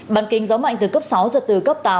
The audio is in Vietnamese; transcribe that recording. bàn kinh gió mạnh từ cấp sáu giật từ cấp tám